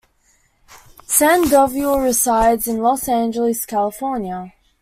Sandoval resides in Los Angeles, California.